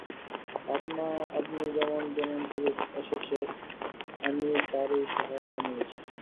আপনা-আপনি যেমন যেমন সুযোগ এসেছে, আমি তারই সহায়তা নিয়েছি।